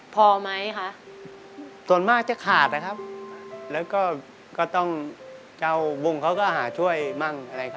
พอไหมคะส่วนมากจะขาดนะครับแล้วก็ก็ต้องเจ้าวงเขาก็หาช่วยมั่งอะไรครับ